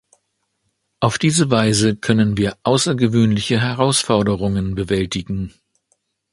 Auf diese Weise können wir außergewöhnliche Herausforderungen bewältigen.